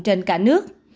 trên cả nước